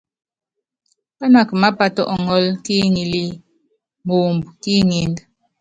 Pánaka mápát ɔŋɔ́l ki iŋilí moomb ki ŋínd.